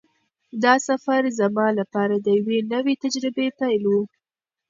دا سفر زما لپاره د یوې نوې تجربې پیل و.